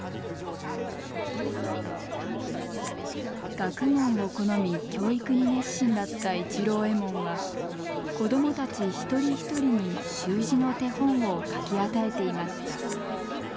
学問を好み教育に熱心だった市郎右衛門は子供たち一人一人に習字の手本を書き与えていました。